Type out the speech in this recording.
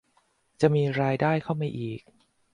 จะมีรายได้เข้ามาอีก